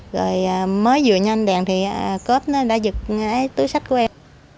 rồi mới vừa nhanh đèn thì cốp nó đã giật túi sách của em